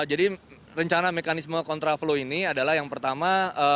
jadi rencana mekanisme kontra flow ini adalah yang pertama